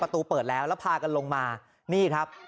ตูเปิดแล้วแล้วพากันลงมานี่ครับ